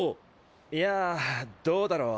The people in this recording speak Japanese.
いやぁどうだろう。